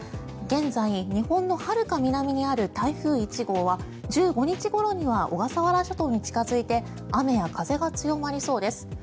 現在、日本のはるか南にある台風１号は１５日ごろには小笠原諸島に近付いて雨や風が強まりそうです。